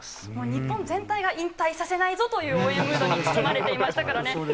日本全体が引退させないぞという応援に包まれていましたからね。